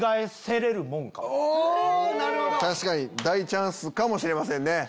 大チャンスかもしれません。